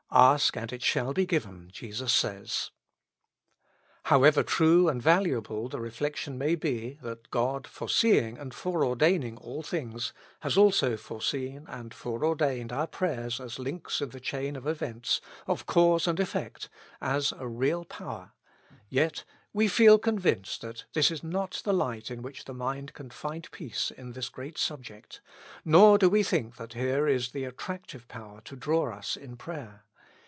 * Ask and it shall be given,' Jesus says. " However true and valuable the reflection may be, that God, foreseeing and foreordaining all things, has also foreseen and foreordained our prayers as links in the chain of events, of cause and effect, as a real power; yet we feel convinced that this is not the light in which the mind can find peace in this great sub ject, nor do we think that here is the attractive power to draw us in prayer.